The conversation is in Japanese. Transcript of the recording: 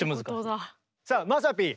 さあまさピー！